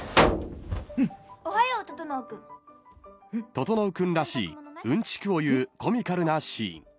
［整君らしいうんちくを言うコミカルなシーン］